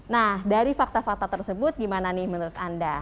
nah dari fakta fakta tersebut gimana nih menurut anda